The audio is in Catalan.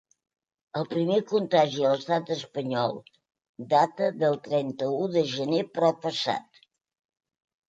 El primer contagi a l’estat espanyol data del trenta-u de gener proppassat.